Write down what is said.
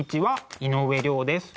井上涼です。